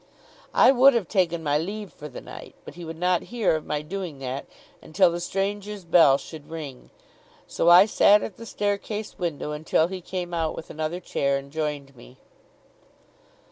I would have taken my leave for the night, but he would not hear of my doing that until the strangers' bell should ring. So I sat at the staircase window, until he came out with another chair and joined me.